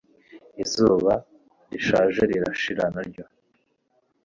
Izuba rishaje rirashira naryo